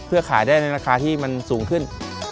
เพื่อขายได้ในราคาที่มันสูงขึ้น